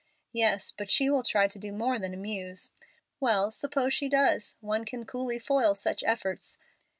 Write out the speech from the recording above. Yes, but she will try to do more than amuse. Well, suppose she does; one can coolly foil such efforts.